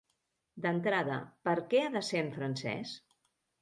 D'entrada, per què ha de ser en francès?